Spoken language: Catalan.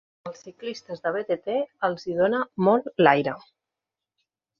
als ciclistes de btt els hi dona molt l'aire.